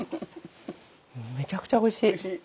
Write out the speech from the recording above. めちゃくちゃおいしい。